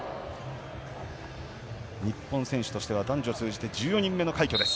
日本選手としては男女を通じて１４人目の快挙です。